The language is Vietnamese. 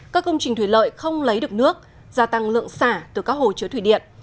các công trình thủy lợi không lấy được nước gia tăng lượng xả từ các hồ chứa thủy điện